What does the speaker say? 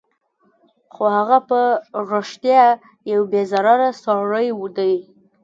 خو هغه په رښتیا یو بې ضرره سړی دی